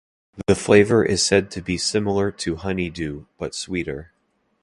The flavor is said to be similar to honeydew but sweeter.